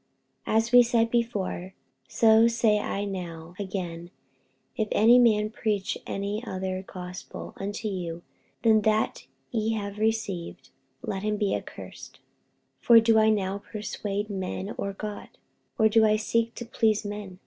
48:001:009 As we said before, so say I now again, if any man preach any other gospel unto you than that ye have received, let him be accursed. 48:001:010 For do I now persuade men, or God? or do I seek to please men?